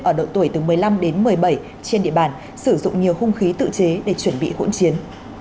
ở độ tuổi từ một mươi năm đến một mươi bảy trên địa bàn sử dụng nhiều hung khí tự chế để chuẩn bị hỗn chiến